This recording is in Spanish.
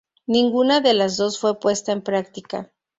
Ninguna de las dos fue puesta en práctica.